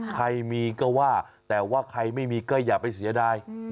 ใครมีก็ว่าแต่ว่าใครไม่มีก็อย่าไปเสียดาย